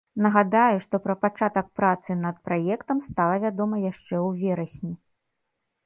Нагадаю, што пра пачатак працы над праектам стала вядома яшчэ ў верасні.